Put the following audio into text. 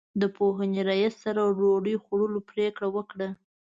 د پوهنې رئیس سره ډوډۍ خوړلو پرېکړه وکړه.